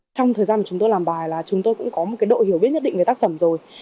trong thời gian mà chúng tôi làm bài là chúng tôi cũng có một độ hiểu biết nhất định về tác phẩm rồi